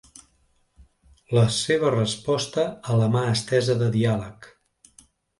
La seva resposta a la mà estesa de diàleg.